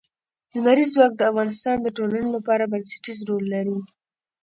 لمریز ځواک د افغانستان د ټولنې لپاره بنسټيز رول لري.